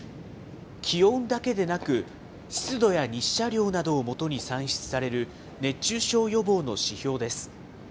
気温だけでなく、湿度や日射量などを基に算出される熱中症予防の指標です。